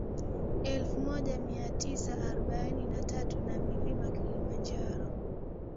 elfu moja mia tisa arobaini na tatu na Mlima Kilimanjaro